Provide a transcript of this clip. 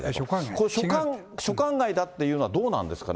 これ、所管外だって言うのはどうなんですかね。